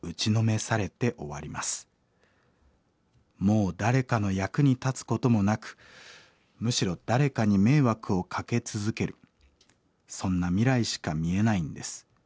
もう誰かの役に立つこともなくむしろ誰かに迷惑をかけ続けるそんな未来しか見えないんです。